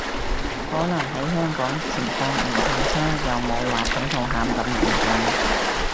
可能喺香港情況唔太差，又冇話睇到喊咁嚴重